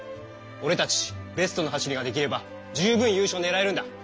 おれたちベストの走りができれば十分優勝ねらえるんだ。